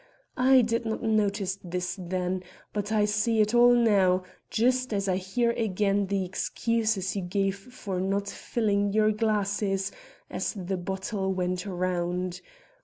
I did not notice this then, but I see it all now, just as I hear again the excuses you gave for not filling your glasses as the bottle went round.